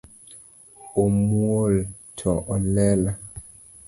Omuol to olelo